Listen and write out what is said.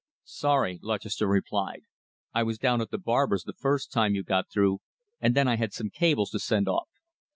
"Sorry," Lutchester replied, "I was down at the barber's the first time you got through, and then I had some cables to send off."